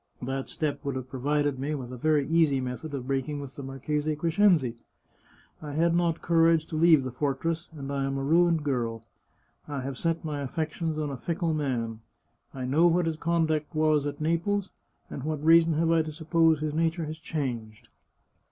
That step would have provided me with a very easy method of break ing with the Marchese Crescenzi. I had not courage to leave the fortress, and I am a ruined girl. I have set my affections on a fickle man. I know what his conduct was at Naples, and what reason have I to suppose his nature has changed?